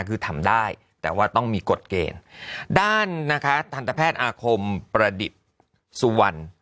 คือทำได้แต่ว่าต้องมีกฎเกณฑ์ด้านนะคะทันตแพทย์อาคมประดิษฐ์สุวรรณ